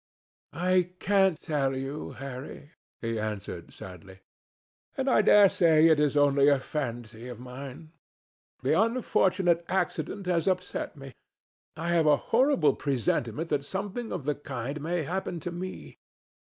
"I can't tell you, Harry," he answered sadly. "And I dare say it is only a fancy of mine. This unfortunate accident has upset me. I have a horrible presentiment that something of the kind may happen to me."